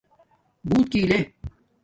بݸوت گیے